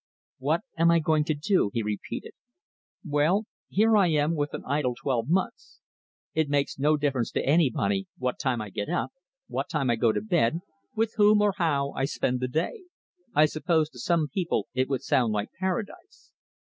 "What am I going to do?" he repeated. "Well, here I am with an idle twelve months. It makes no difference to anybody what time I get up, what time I go to bed, with whom or how I spend the day. I suppose to some people it would sound like Paradise.